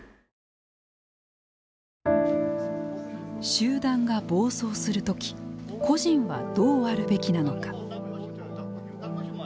集団が暴走するとき個人は、どうあるべきなのか。